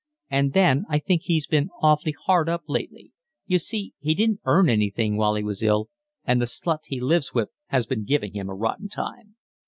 And then I think he's been awfully hard up lately. You see, he didn't earn anything while he was ill, and the slut he lives with has been giving him a rotten time."